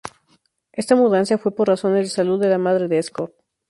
Esa mudanza fue por razones de salud de la madre de Scott.